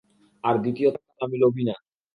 আর দ্বিতীয়ত, আমি লোভী না।